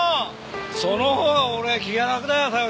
そのほうが俺は気が楽だよさよ